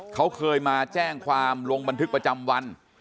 เขาเคยมาแจ้งความลงบันทึกประจำวัน